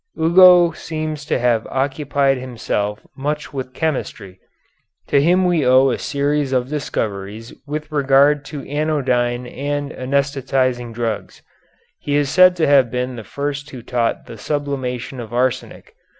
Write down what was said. Ugo seems to have occupied himself much with chemistry. To him we owe a series of discoveries with regard to anodyne and anæsthetizing drugs. He is said to have been the first who taught the sublimation of arsenic.